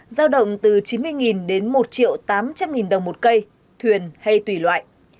giao động từ chín mươi đến một tám trăm linh đồng một cây thuyền hay tùy loại